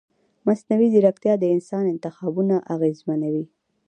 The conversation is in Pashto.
مصنوعي ځیرکتیا د انسان انتخابونه اغېزمنوي.